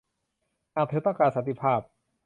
หากเธอต้องการสันติภาพ